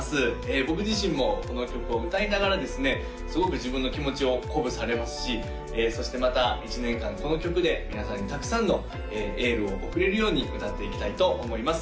僕自身もこの曲を歌いながらですねすごく自分の気持ちを鼓舞されますしそしてまた１年間この曲で皆さんにたくさんのエールを送れるように歌っていきたいと思います